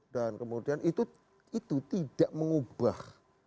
dan kemudian itu tidak mengubah